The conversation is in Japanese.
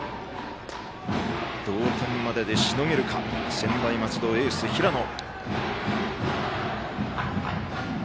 同点まででしのげるか専大松戸のエース、平野。